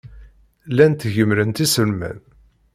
Llant gemmrent iselman.